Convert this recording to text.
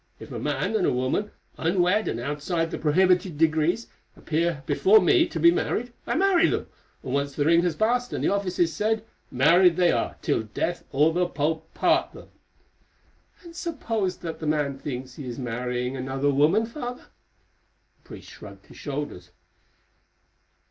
"If a man and a woman, unwed and outside the prohibited degrees, appear before me to be married, I marry them, and once the ring has passed and the office is said, married they are till death or the Pope part them." "And suppose that the man thinks he is marrying another woman, Father?" The priest shrugged his shoulders.